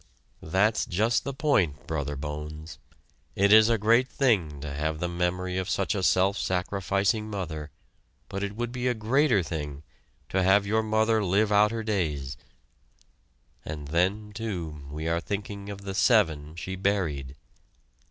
That's just the point, Brother Bones. It is a great thing to have the memory of such a self sacrificing mother, but it would be a greater thing to have your mother live out her days; and then, too, we are thinking of the "seven" she buried.